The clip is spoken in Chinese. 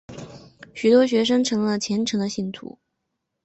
许多学生成了虔诚的信徒。